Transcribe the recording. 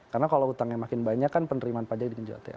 karena kalau utangnya makin banyak kan penerimaan pajak digenjot ya